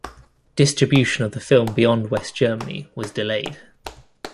Distribution of the film beyond West Germany was delayed.